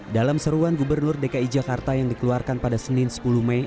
dalam seruan gubernur dki jakarta yang dikeluarkan pada senin sepuluh mei